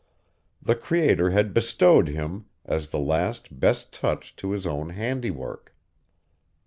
The Creator had bestowed him, as the last best touch to his own handiwork.